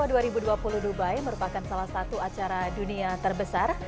dua ribu dua puluh dubai merupakan salah satu acara dunia terbesar